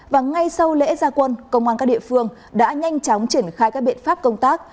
và ngay sau lễ gia quân công an các địa phương đã nhanh chóng triển khai các biện pháp công tác